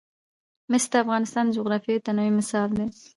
مس د افغانستان د جغرافیوي تنوع مثال دی.